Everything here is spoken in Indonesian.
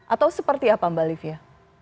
atau seperti apa mbak olivia